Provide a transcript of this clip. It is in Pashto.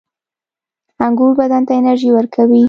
• انګور بدن ته انرژي ورکوي.